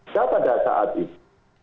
tidak pada saat itu